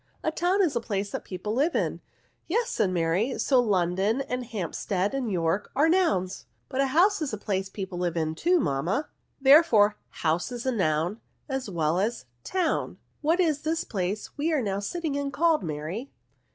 A town is a place that people live in." " Yes," said Mary ;" so London, and Hampstead, and York, are nouns: but a house is a place people live in, too, mamma." " Therefore hotise is a noun as well as to^Dn. What is this place we are now sitting in called, Mary